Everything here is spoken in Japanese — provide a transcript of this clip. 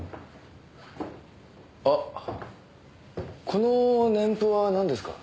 あっこの年譜はなんですか？